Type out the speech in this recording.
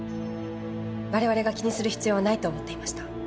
我々が気にする必要はないと思っていました。